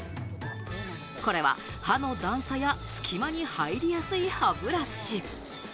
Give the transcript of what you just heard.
これは歯の段差や隙間に入りやすい歯ブラシ。